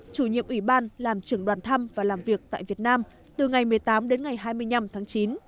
chủ nhiệm ủy ban làm trưởng đoàn thăm và làm việc tại việt nam từ ngày một mươi tám đến ngày hai mươi năm tháng chín